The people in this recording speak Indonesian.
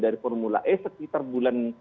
dari formula e sekitar bulan